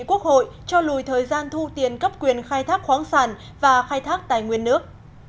quốc hội cho lùi thời gian thu tiền cấp quyền khai thác khoáng sản và khai thác tài nguyên nước